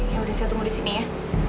ya udah saya tunggu di sini ya